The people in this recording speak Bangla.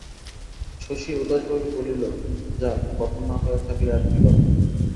শশী উদাসভাবে বলিল, যাক, কথা না হয়ে থাকলে আর কী কথা?